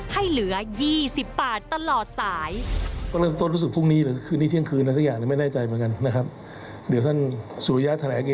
ให้เหลือ๒๐บาทตลอดสาย